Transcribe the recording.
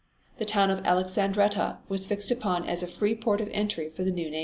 The town of Alexandretta was fixed upon as a free port of entry for the new nation.